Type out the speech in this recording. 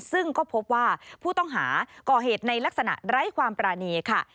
ซึ่งก็พบว่าผู้ต้องหาก่อเหตุในลักษณะไร้ความปรานีค่ะ